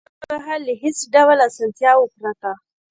اوس مهال له هېڅ ډول اسانتیاوو پرته